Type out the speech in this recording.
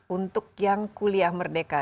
untuk yang kuliah merdeka